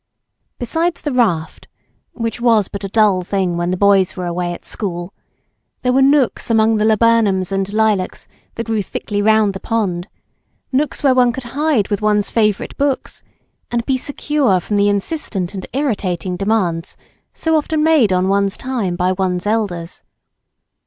Besides the raft (which was but a dull thing when the boys were away at school), there were nooks among the laburnums and lilacs that grew thickly round the pond, nooks where one could hide with one's favourite books, and be secure from the insistent and irritating demands so often made on one's time by one's elders.